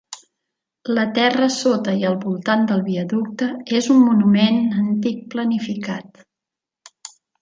La terra sota i al voltant del viaducte és un monument antic planificat.